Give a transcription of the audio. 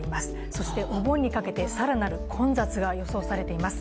そしてお盆にかけて更なる混雑が予想されています。